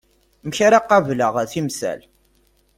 Amek ara qableɣ timsal?